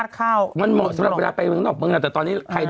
พริกคือฉีดออกมาราดข้าว